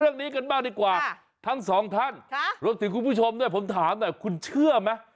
เรื่องนี้กันบ้างดีกว่าทั้งสองท่านรวมถึงคุณผู้ชมด้วยผมถามหน่อยคุณเชื่อไหม